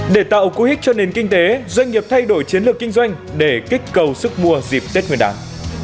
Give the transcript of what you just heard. để tạo cú hích cho nền kinh tế doanh nghiệp thay đổi chiến lược kinh doanh để kích cầu sức mua dịp tết nguyên đán